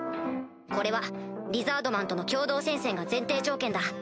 これはリザードマンとの共同戦線が前提条件だ。